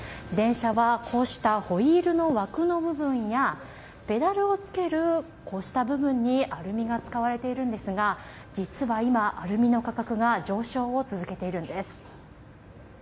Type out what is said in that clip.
自転車はこうしたホイールの枠の部分やペダルをつけるこうした部分にアルミが使われているんですが実は今、アルミの価格が上昇を続けているんです。